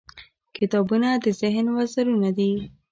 • کتابونه د ذهن وزرونه دي.